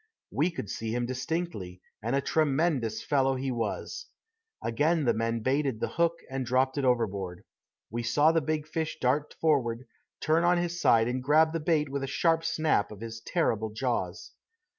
We could see him distinctly, and a tremendous fellow he was. Again the men baited the hook and dropped it overboard. We saw the big fish dart forward, turn on his side and grab the bait with a sharp snap of his terrible jaws.